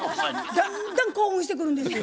だんだん興奮してくるんですよ。